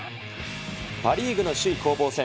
パ・リーグの首位攻防戦。